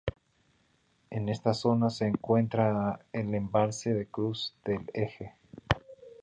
En esta zona se encuentra el embalse de Cruz del Eje.